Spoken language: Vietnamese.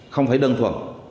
không phải đơn thuần